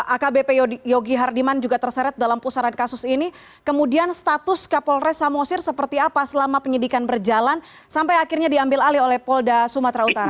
akbp yogi hardiman juga terseret dalam pusaran kasus ini kemudian status kapolres samosir seperti apa selama penyidikan berjalan sampai akhirnya diambil alih oleh polda sumatera utara